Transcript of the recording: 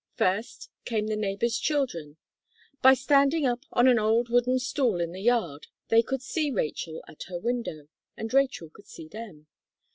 First, came the neighbour's children. By standing up on an old wooden stool in the yard, they could see Rachel at her window, and Rachel could see them.